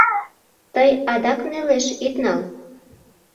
Тый адак нелеш ит нал...